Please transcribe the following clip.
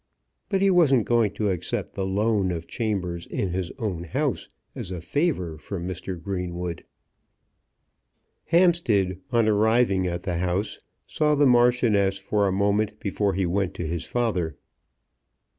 But he wasn't going to accept the loan of chambers in his own house as a favour from Mr. Greenwood. Hampstead on arriving at the house saw the Marchioness for a moment before he went to his father.